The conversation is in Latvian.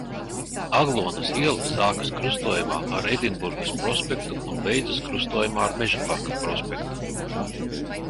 Aglonas iela sākas krustojumā ar Edinburgas prospektu un beidzas krustojumā ar Mežaparka prospektu.